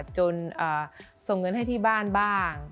จนส่งเงินให้ที่บ้านบ้าง